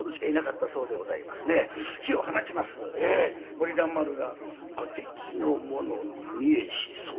森蘭丸が「明智の者に見えし候」。